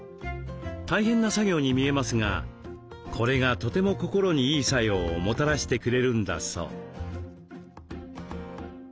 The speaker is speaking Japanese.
大変な作業に見えますがこれがとても心にいい作用をもたらしてくれるんだそう。